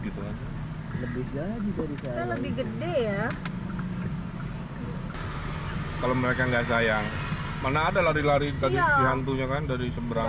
gitu lebih gede ya kalau mereka nggak sayang mana ada lari lari dari hantunya kan dari seberang